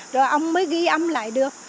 rồi ông mới ghi âm lại được